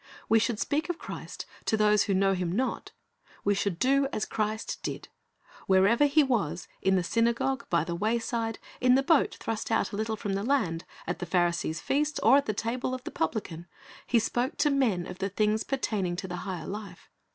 We should speak of Christ to those who know Him not. We should do as Christ did. Wherever He was, in the synagogue, by the wayside, in the boat thrust out a little from the land, at the Pharisee's feast or the table of the publican. He spoke to men of the things pertaining to the higher life.